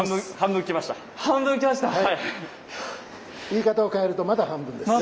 言い方を変えるとまだ半分です。